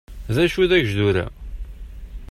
D acu dagejdur-a?